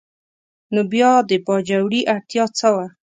نو بیا د باجوړي اړتیا څه وه؟